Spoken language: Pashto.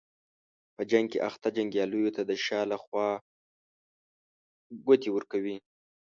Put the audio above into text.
په جنګ کې اخته جنګیالیو ته د شا له خوا ګوتې ورکوي.